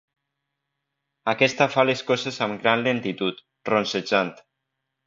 Aquesta fa les coses amb gran lentitud, ronsejant.